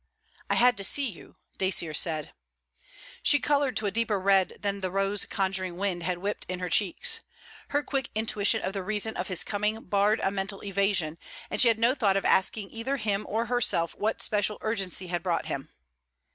'I had to see you,' Dacier said. She coloured to a deeper red than the rose conjuring wind had whipped in her cheeks. Her quick intuition of the reason of his coming barred a mental evasion, and she had no thought of asking either him or herself what special urgency had brought him.